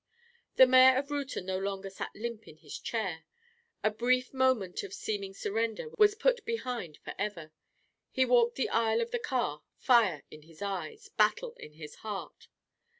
The mayor of Reuton no longer sat limp in his seat. That brief moment of seeming surrender was put behind forever. He walked the aisle of the car, fire in his eyes, battle in his heart.